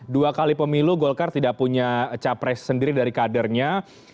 dua kali pemilu golkar tidak punya capres sendiri dari kadernya